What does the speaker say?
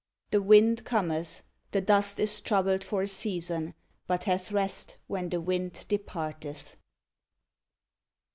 The wind cometh, the dust is troubled for a season, but hath rest when the wind departeth.